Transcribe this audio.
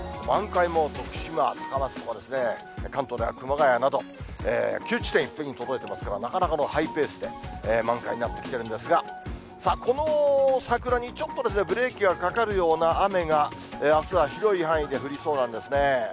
満開も徳島、高松とかですね、関東では熊谷など、９地点に届いてますから、なかなかのハイペースで満開になってきてるんですが、この桜にちょっとブレーキがかかるような雨が、あすは広い範囲で降りそうなんですね。